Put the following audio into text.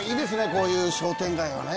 こういう商店街はね。